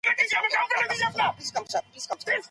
هغه نسي کولای خپلي هیلې پوره کړي.